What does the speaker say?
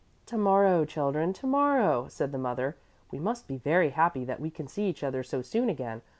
"To morrow, children, to morrow," said the mother. "We must be very happy that we can see each other so soon again.